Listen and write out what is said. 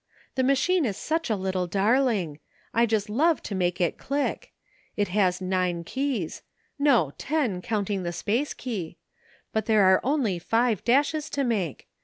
The machine is such a little darling ! I just love to make it click. It has nine keys — no, ten, counting the space key — but there are only five dashes to make.